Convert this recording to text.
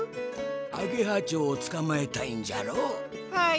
アゲハちょうをつかまえたいんじゃろう？